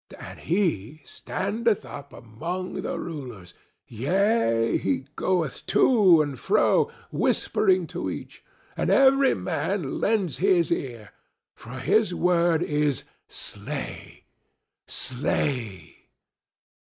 And he standeth up among the rulers; yea, he goeth to and fro, whispering to each; and every man lends his ear, for his word is 'Slay! Slay!